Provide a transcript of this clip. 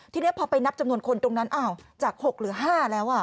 ทีนี้พอไปนับจำนวนคนตรงนั้นอ้าวจาก๖หรือ๕แล้ว